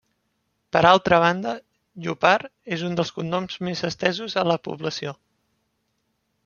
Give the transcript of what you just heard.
Per altra banda, Llopart és un dels cognoms més estesos a la població.